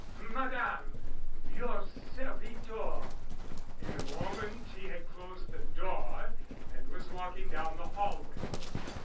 Madame, your servitor." In a moment he had closed the door and was walking down the hallway.